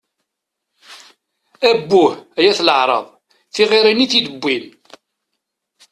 Abbuh, ay at leεṛaḍ! Tiɣirin i t-id-bbwin!